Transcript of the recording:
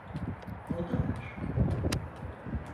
O da var.